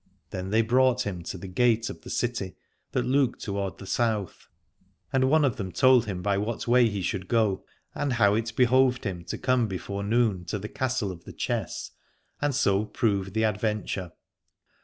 Then they brought him to the gate of the 119 Alad ore city that looked toward the South, and one of them told him by what way he should go, and how it behoved him to come before noon to the Castle of the Chess, and so prove the adventure.